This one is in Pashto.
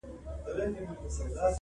نغمه راغبرګه کړله.!